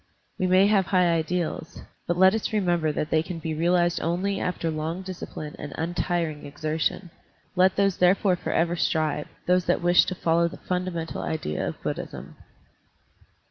We may have high ideals, but let us remember that they can be realized only after long discipline and untiring exertion. Let those therefore for ever strive — those that wish to follow the funda mental idea of Buddhism.